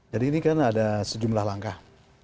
jadi ini kan ada sejumlah langkah